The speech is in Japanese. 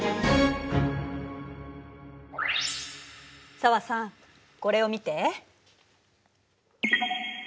紗和さんこれを見て。